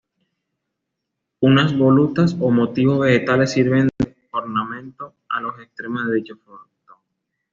Unas volutas o motivos vegetales sirven de ornamento a los extremos de dicho frontón.